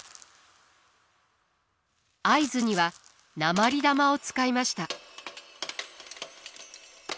合図には鉛玉を使いました。